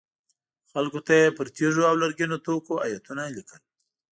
خلکو ته یې پر تیږو او لرګینو توکو ایتونه لیکل.